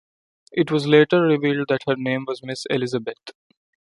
It was later revealed that her name was Miss Elizabeth.